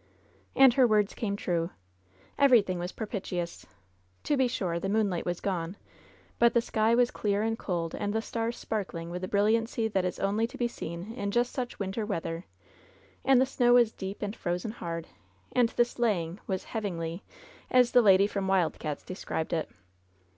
^ And her words came true. Everything was pro pitious. To be sure, the moonlight was gone; but the sky was clear and cold, and the stars sparkling with the brilliancy that is only to be seen in just such winter weather, and the snow was deep and frozen hard, and the sleighing was "hewingly,'' as the lady from Wild Cats' described it.